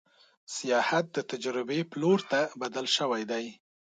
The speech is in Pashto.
سیاحت د تجربې پلور ته بدل شوی دی.